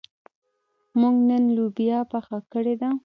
موږ نن لوبیا پخه کړې ده.